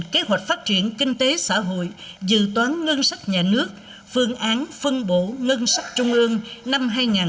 kế hoạch phát triển kinh tế xã hội dự toán ngân sách nhà nước phương án phân bổ ngân sách trung ương năm hai nghìn hai mươi